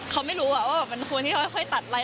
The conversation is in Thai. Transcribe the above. เขาไม่รู้ว่ามันควรที่ค่อยตัดอะไร